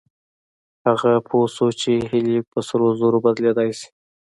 هغه پوه شو چې هيلې په سرو زرو بدلېدلای شي.